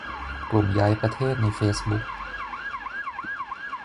กลุ่มย้ายประเทศในเฟซบุ๊ก